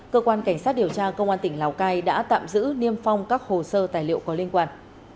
cơ quan cảnh sát điều tra công an tỉnh lào cai đã tạm giữ niêm phong các hồ sơ tài liệu có liên quan